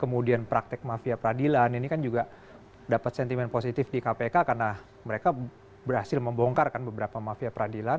kemudian praktek mafia peradilan ini kan juga dapat sentimen positif di kpk karena mereka berhasil membongkar kan beberapa mafia peradilan